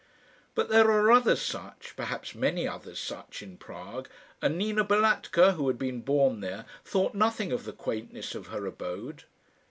But there are others such, perhaps many others such, in Prague; and Nina Balatka, who had been born there, thought nothing of the quaintness of her abode.